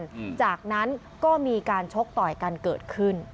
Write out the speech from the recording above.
หลังจากนั้นก็มีการชกต่อยกันเกิดขึ้น